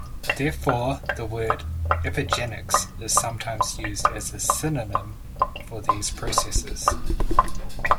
Therefore, the word "epigenetics" is sometimes used as a synonym for these processes.